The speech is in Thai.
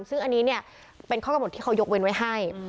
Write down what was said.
ซึ่งอันนี้เนี่ยเป็นข้อกำหนดที่เขายกเว้นไว้ให้